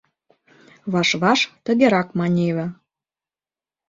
Ваш-ваш тыгерак маневе.